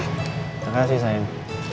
terima kasih sayang